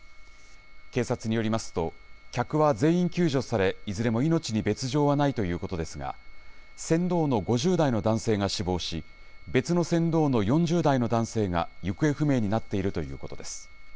警察によりますと、客は全員救助され、いずれも命に別状はないということですが、船頭の５０代の男性が死亡し、別の船頭の４０代の男性が行方不明になっているということです。